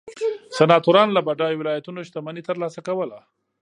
سناتورانو له بډایو ولایتونو شتمني ترلاسه کوله